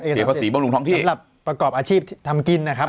เสียภาษีบำรุงท้องที่สำหรับประกอบอาชีพทำกินนะครับ